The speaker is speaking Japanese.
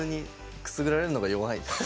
くすぐられるのが弱い。